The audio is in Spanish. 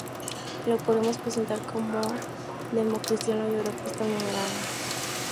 Lo podríamos presentar como democristiano y europeísta moderado.